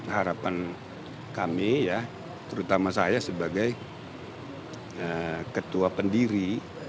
harapan kami ya terutama saya sebagai ketua pendiri